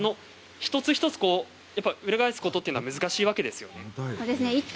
一つ一つ裏返すことは難しいんですよね。